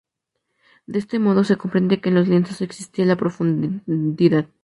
De este modo se comprende que en los lienzos existía la profundidad.